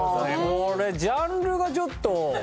これジャンルがちょっと。